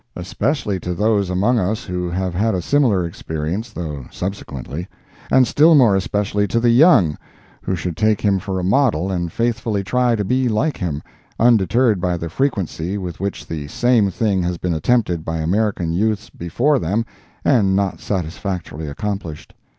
Especially to those among us who have had a similar experience, though subsequently; and still more especially to the young, who should take him for a model and faithfully try to be like him, undeterred by the frequency with which the same thing has been attempted by American youths before them and not satisfactorily accomplished.